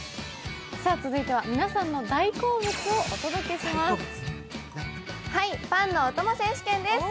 続いては皆さんの大好物をお届けします。